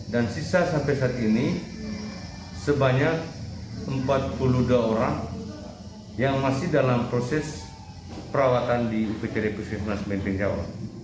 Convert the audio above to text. dan sisa sampai saat ini sebanyak empat puluh dua orang yang masih dalam proses perawatan di pt puskesmas benteng jawa